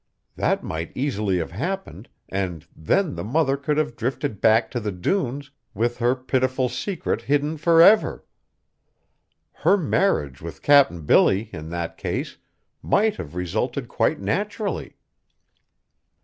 That might easily have happened, and then the mother could have drifted back to the dunes with her pitiful secret hidden forever. Her marriage with Cap'n Billy, in that case, might have resulted quite naturally.